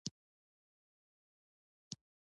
انقلابیانو د امریکا د خپلواکۍ اعلامیه تصویب کړه.